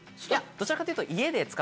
どちらかというと。